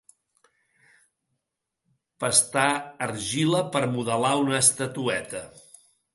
Pastar argila per modelar una estatueta.